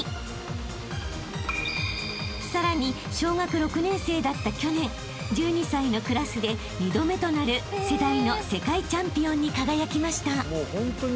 ［さらに小学６年生だった去年１２歳のクラスで２度目となる世代の世界チャンピオンに輝きました］